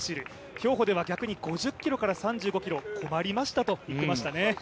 競歩は５０ｋｍから３５ｋｍ困りましたと言っていましたね。